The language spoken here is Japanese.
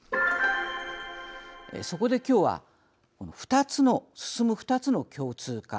そこで、きょうは進む２つの共通化